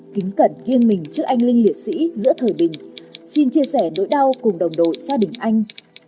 kính cẩn nghiêng mình trước anh linh liệt sĩ giữa thời bình xin chia sẻ nỗi đau cùng đồng đội gia đình anh